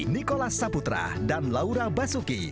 nikola saputra dan laura basuki